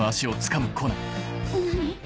何？